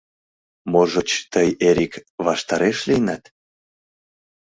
Можыч, тый, Эрик, ваштареш лийынат?